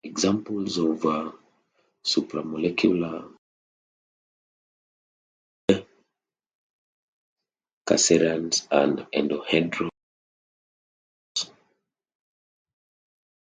Examples of supramolecular host molecule include carcerands and endohedral fullerenes.